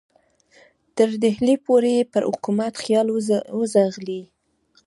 تر ډهلي پورې یې پر حکومت خیال وځغلي.